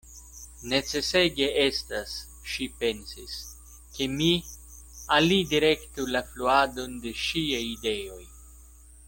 Necesege estas, ŝi pensis, ke mi alidirektu la fluadon de ŝiaj ideoj.